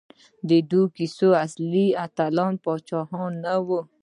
د دې کیسو اصلي اتلان پاچاهان نه وو.